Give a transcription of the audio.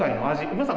皆さん